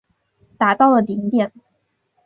达到了顶点。